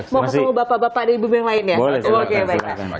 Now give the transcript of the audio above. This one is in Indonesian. mau keseluruhan bapak bapak dan ibu ibu yang lain